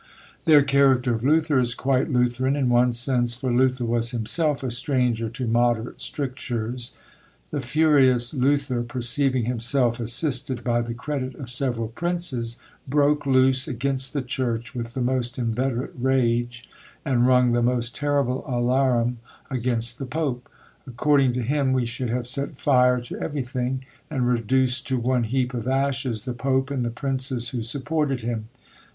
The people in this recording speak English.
Their character of Luther is quite Lutheran in one sense, for Luther was himself a stranger to moderate strictures: "The furious Luther, perceiving himself assisted by the credit of several princes, broke loose against the church with the most inveterate rage, and rung the most terrible alarum against the pope. According to him we should have set fire to everything, and reduced to one heap of ashes the pope and the princes who supported him.